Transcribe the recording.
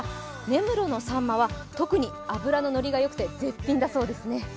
根室のさんまは特に脂ののりがよくて絶品だそうですね。